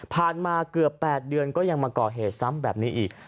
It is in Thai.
มาเกือบ๘เดือนก็ยังมาก่อเหตุซ้ำแบบนี้อีก